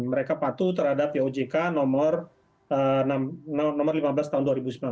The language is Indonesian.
mereka patuh terhadap pojk nomor lima belas tahun dua ribu sembilan belas